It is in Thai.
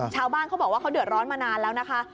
ชาวบ้านเขาบอกว่าเขาเดือดร้อนมานานแล้วนะคะ